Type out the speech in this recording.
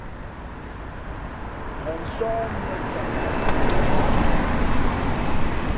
Ghen sóh mʉ̄ᾱ cak pǒ lə̌ lʉα teʼ.